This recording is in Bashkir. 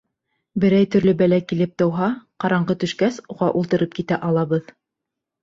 Берәй төрлө бәлә килеп тыуһа, ҡараңғы төшкәс, уға ултырып китә алабыҙ.